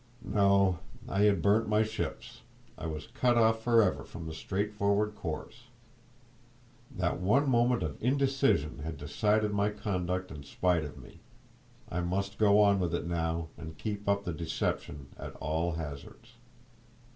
No, I had burned my ships, I was cut off for ever from the straightforward course; that one moment of indecision had decided my conduct in spite of me; I must go on with it now, and keep up the deception at all hazards.